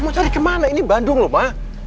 mau cari kemana ini bandung loh pak